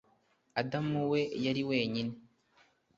adamu we, yari wenyine.